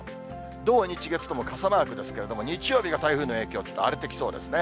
土、日、月とも傘マークですが、日曜日が台風の影響、ちょっと荒れてきそうですね。